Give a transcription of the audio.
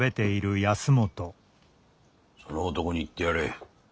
その男に言ってやれ。